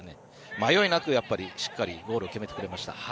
迷いなくしっかりゴールを決めてくれました。